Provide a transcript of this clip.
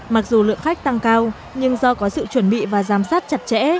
mặc dù lượng khách tăng cao nhưng do có sự chuẩn bị và giám sát chặt chẽ